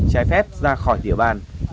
trái phép ra khỏi địa bàn